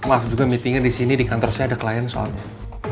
maaf juga meetingnya di sini di kantor saya ada klien soalnya